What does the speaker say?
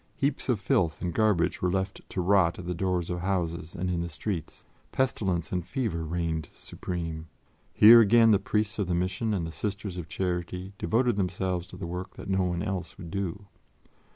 Heaps of filth and garbage were left to rot at the doors of houses and in the streets; pestilence and fever reigned supreme. Here, again, the Priests of the Mission and the Sisters of Charity devoted themselves to the work that no one else would do.